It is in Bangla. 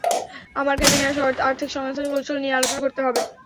আমার কেবিনে আসো, আর্থিক সংস্থান কৌশল নিয়ে আলোচনা করতে হবে।